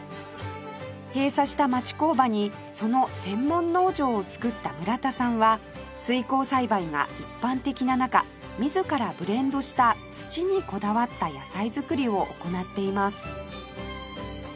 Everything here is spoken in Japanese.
閉鎖した町工場にその専門農場を作った村田さんは水耕栽培が一般的な中自らブレンドした土にこだわった野菜作りを行っています